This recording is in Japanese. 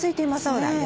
そうなんです。